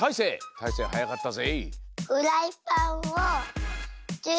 たいせいはやかったぜ。